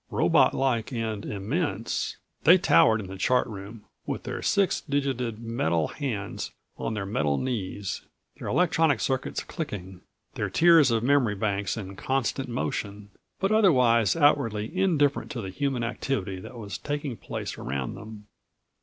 Robotlike and immense, they towered in the chart room with their six digited metal hands on their metal knees, their electronic circuits clicking, their tiers of memory banks in constant motion, but otherwise outwardly indifferent to the human activity that was taking place around them.